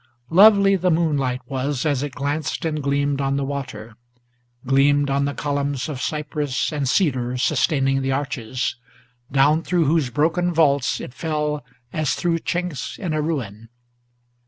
Lovely the moonlight was as it glanced and gleamed on the water, Gleamed on the columns of cypress and cedar sustaining the arches, Down through whose broken vaults it fell as through chinks in a ruin.